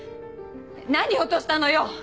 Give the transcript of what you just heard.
何落としたのよ